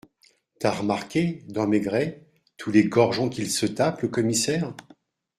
T’as remarqué, dans Maigret, tous les gorgeons qu’il se tape, le commissaire ?